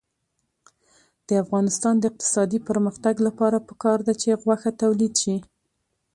د افغانستان د اقتصادي پرمختګ لپاره پکار ده چې غوښه تولید شي.